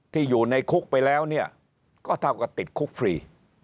ที่อยู่ในคุกไปแล้วก็เท่ากับติดคุกฟรี